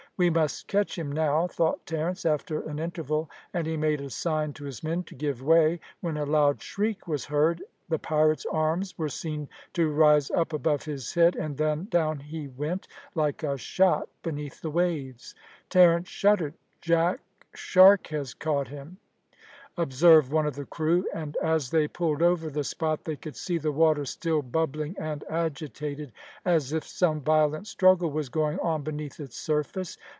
"We must catch him now," thought Terence, after an interval, and he made a sign to his men to give way, when a loud shriek was heard, the pirate's arms were seen to rise up above his head, and then down he went, like a shot, beneath the waves. Terence shuddered. "Jack shark has caught him," observed one of the crew, and as they pulled over the spot they could see the water still bubbling and agitated, as if some violent struggle was going on beneath its surface.